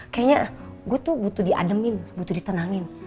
kayaknya gue tuh butuh diademin butuh ditenangin